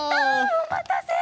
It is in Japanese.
おまたせ！